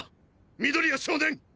緑谷少年！！